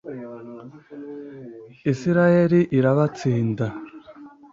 israheli irabatsinda